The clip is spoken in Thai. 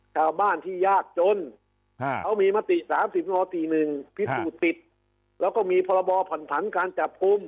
ชาวบ้านที่ยากจนเขามีมติ๓๐ม๔๑พิสูจน์ติดแล้วก็มีพรบผ่อนผันการจับกลุ่ม